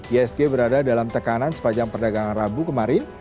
isg berada dalam tekanan sepanjang perdagangan rabu kemarin